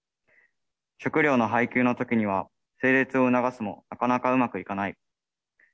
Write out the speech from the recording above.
食料の配給のときには、整列を促すも、なかなかうまくいかない。